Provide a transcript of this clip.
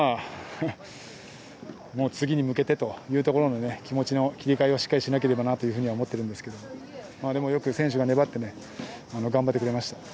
もう次に向けてというところで気持ちの切り替えをしっかりしなければと思ってはいるんですがでも、よく選手が粘ってね頑張ってくれました。